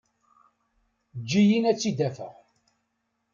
Eǧǧ-iyi ad tt-id-afeɣ.